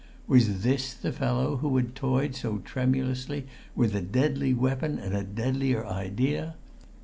Was this the fellow who had toyed so tremulously with a deadly weapon and a deadlier idea?